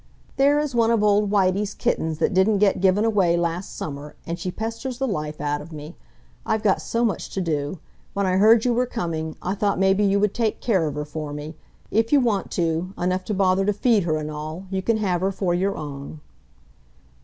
"There is one of old Whitey's kittens that didn't get given away last summer, and she pesters the life out of me. I've got so much to do. When I heard you were coming, I thought maybe you would take care of her for me. If you want to, enough to bother to feed her and all, you can have her for your own."